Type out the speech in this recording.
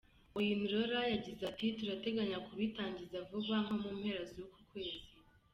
Oyinlola yagize ati “Turateganya kubitangiza vuba nko mu mpera z’uku kwezi ”.